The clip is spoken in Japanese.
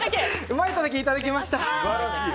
うまいたけいただきました！